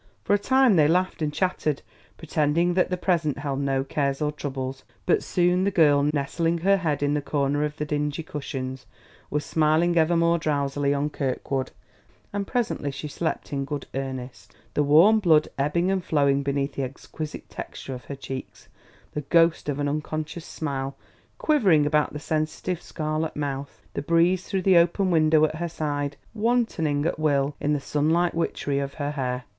For a time they laughed and chattered, pretending that the present held no cares or troubles; but soon the girl, nestling her head in a corner of the dingy cushions, was smiling ever more drowsily on Kirkwood; and presently she slept in good earnest, the warm blood ebbing and flowing beneath the exquisite texture of her cheeks, the ghost of an unconscious smile quivering about the sensitive scarlet mouth, the breeze through the open window at her side wantoning at will in the sunlit witchery of her hair.